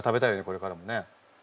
これからもね。